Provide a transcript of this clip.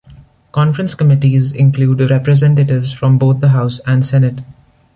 Conference committees include representatives from both the House and Senate.